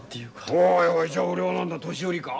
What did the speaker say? おいおいじゃあ俺は何だ年寄りか。